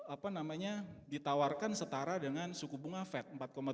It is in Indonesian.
apa namanya ditawarkan setara dengan suku bunga fed empat tujuh puluh lima